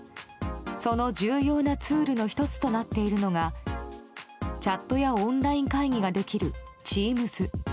その重要なツールの１つとなっているのがチャットやオンライン会議ができる、Ｔｅａｍｓ。